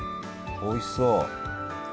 おいしそう。